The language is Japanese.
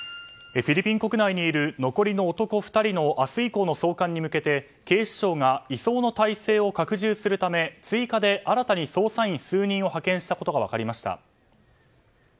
フィリピン国内にいる残りの男２人の明日以降の送還に向けて警視庁が移送の態勢を拡充するため追加で新たに捜査員数人を派遣したことが分かりました。